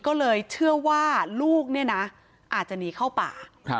ก็เลยเชื่อว่าลูกเนี่ยนะอาจจะหนีเข้าป่า